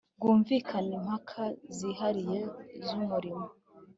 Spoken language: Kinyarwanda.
bwumvikane impaka zihariye z umurimo